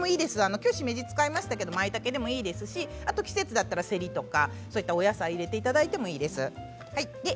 きょうはしめじを使いましたけれどもまいたけでもいいですし季節だったら、せりとかそういうお野菜を入れていただいてもいいです。